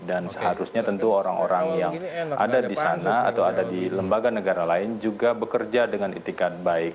dan seharusnya tentu orang orang yang ada di sana atau ada di lembaga negara lain juga bekerja dengan itikat baik